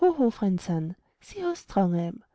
Ho! friend Sun, see how strong I am.